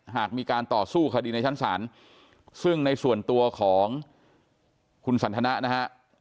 หากมีการต่อสู้คดีในชั้นศาลซึ่งในส่วนตัวของคุณสันทนะนะฮะ